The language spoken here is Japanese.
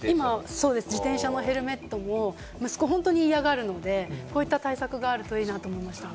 自転車のヘルメットも息子、本当に嫌がるので、こういった対策があるといいなと思いました。